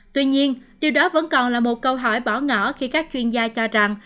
tuy nhiên điều đó vẫn còn là một câu hỏi bỏ ngỏ khi các chuyên gia cho rằng